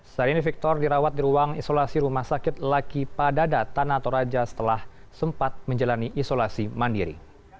saat ini victor dirawat di ruang isolasi rumah sakit laki padada tanah toraja setelah sempat menjalani isolasi mandiri